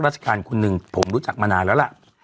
ราชการคุณหนึ่งผมรู้จักมานานแล้วล่ะ